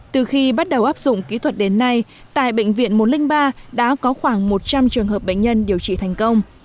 từ khi bắt đầu áp dụng kỹ thuật đến nay tại bệnh viện một trăm linh ba đã có khoảng một trăm linh trường hợp bệnh nhân điều trị thành công